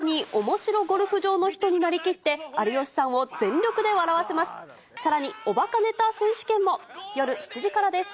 ゴルフ場を舞台におもしろゴルフ場の人になりきって、有吉さんを全力で笑わせます。